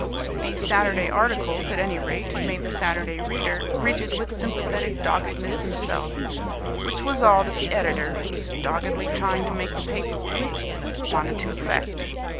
These Saturday articles, at any rate, made the Saturday reader rigid with sympathetic doggedness himself, which was all that the editor (who was doggedly trying to make the paper pay) wanted to effect.